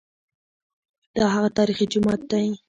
دا هغه تاریخي جومات دی.